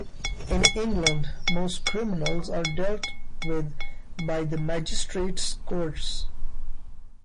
In England, most criminals are dealt with by the Magistrates’ Courts.